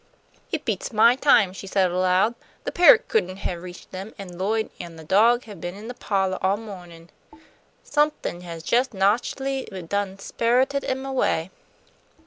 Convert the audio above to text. "It beats my time," she said, aloud. "The parrot couldn't have reached them, an' Lloyd an' the dog have been in the pa'lah all mawnin'. Somethin' has jus' natch'ly done sperrited 'em away."